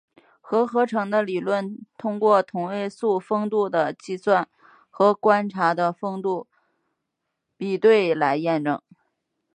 核合成的理论通过同位素丰度的计算和观测的丰度比对来验证。